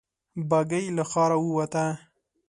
بګۍ له ښاره ووته.